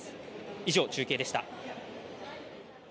以上、中継でした。